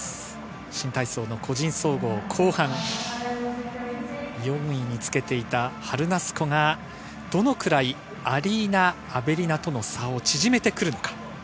新体操個人総合後半、４位につけていたハルナスコがどのくらいアリーナ・アベリナとの差を縮めてくるのか。